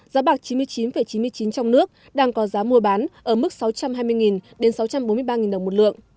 giá bạc chín mươi chín chín mươi chín trong nước đang có giá mua bán ở mức sáu trăm hai mươi đến sáu trăm bốn mươi ba đồng một lượng